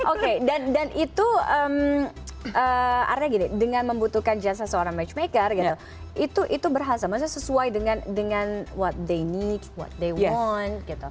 oke dan itu arna gini dengan membutuhkan jasa seorang matchmaker gitu itu berhasil maksudnya sesuai dengan what they need what they want gitu